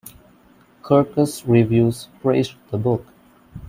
Kirkus Reviews praised the book.